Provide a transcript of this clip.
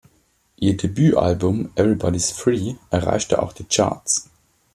Ihr Debütalbum "Everybody’s Free" erreichte auch die Charts.